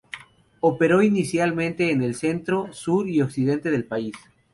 Operó principalmente en el centro, sur y occidente del país.